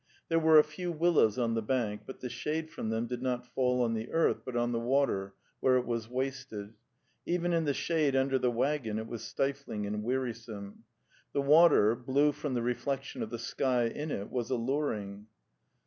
There were a few willows on the bank, but the shade from them did not fall on the earth, but on the water, where it was wasted; even in the shade under the waggon it was stifling and wearisome. 'The water, blue from the reflection of the sky in it, was alluring.